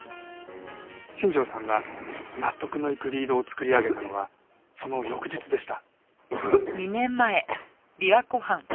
新庄さんが納得のいくリードを作り上げたのはその翌日でした。